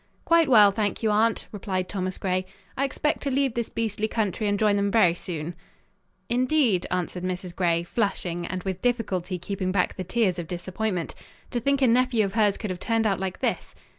"Quite well, thank you, aunt," replied Thomas Gray. "I expect to leave this beastly country and join them very soon." "Indeed?" answered Mrs. Gray, flushing and with difficulty keeping back the tears of disappointment. To think a nephew of hers could have turned out like this!